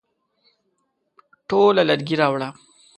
ټوله لرګي راوړه ؟